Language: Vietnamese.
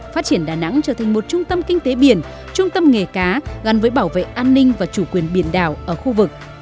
phát triển đà nẵng trở thành một trung tâm kinh tế biển trung tâm nghề cá gắn với bảo vệ an ninh và chủ quyền biển đảo ở khu vực